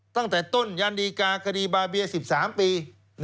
ตั้งแต่ต้นยันดีกาคดีบาเบีย๑๓ปี